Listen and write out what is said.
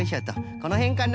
このへんかな？